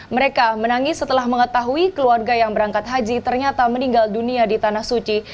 mereka menangis setelah mengetahui keluarga yang berangkat haji ternyata meninggal dunia di tanah suci